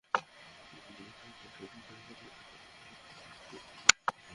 ত্রিশ দশকের শেষ পর্যায়ে কলকাতায় ছাত্রাবস্থায় জড়িয়ে পড়েন বাম ধারার রাজনীতির সঙ্গে।